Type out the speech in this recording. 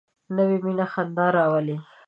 نوې مینه خندا راولي